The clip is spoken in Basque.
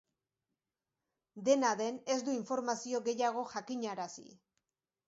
Dena den, ez du informazio gehiago jakinarazi.